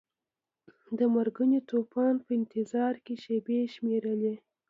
د مرګوني طوفان په انتظار کې شیبې شمیرلې.